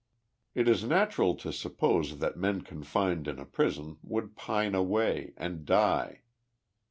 It is natural to suppose that men confined in a prison would pine away and die.